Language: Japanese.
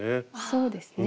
そうですね